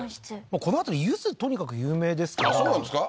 この辺り柚子とにかく有名ですからそうなんですか？